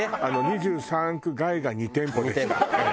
２３区外が２店舗でした。